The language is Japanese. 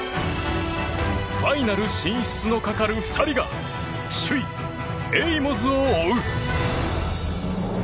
ファイナル進出のかかる２人が首位、エイモズを追う。